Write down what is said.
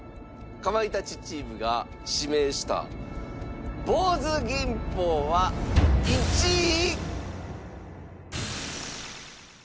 かまいたちチームが指名したぼうず銀宝は１位。